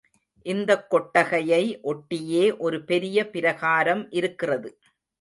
இந்தக் கொட்டகையை ஒட்டியே ஒரு பெரிய பிராகாரம் இருக்கிறது.